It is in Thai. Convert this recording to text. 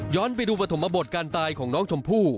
ไปดูปฐมบทการตายของน้องชมพู่